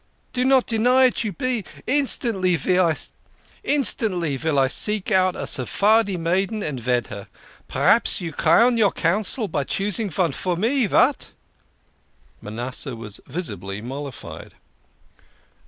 " Do not deny it. You be ! Instantly vill I seek out a Sephardi maiden and ved her. P'raps you crown your counsel by choosing von for me. Vat?" Manasseh was visibly mollified.